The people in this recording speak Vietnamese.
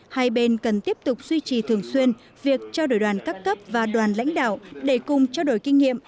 hai bên cần tiếp tục duy trì thường xuyên việc trao đổi đoàn các cấp và đoàn lãnh đạo để cùng trao đổi kinh nghiệm